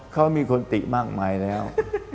เขามีคนติมากมายแล้ว